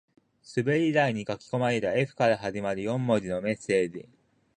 滑り台に書き込まれた Ｆ から始まる四文字のメッセージ